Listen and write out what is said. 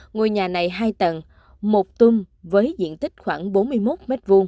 ngôi nhà này hai tầng một tung với diện tích khoảng bốn mươi một m hai